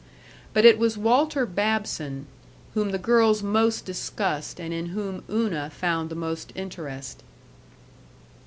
But it was Walter Babson whom the girls most discussed and in whom Una found the most interest.